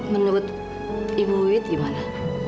menurut ibu wit gimana